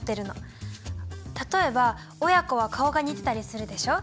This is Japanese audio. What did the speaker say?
例えば親子は顔が似てたりするでしょ？